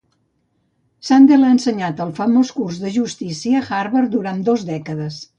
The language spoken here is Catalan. Sandel ha ensenyat el famós curs de "Justícia" a Harvard durant dos dècades.